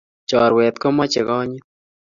Choruet komachei konyit